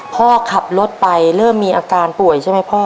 พ่อขับรถไปเริ่มมีอาการป่วยใช่ไหมพ่อ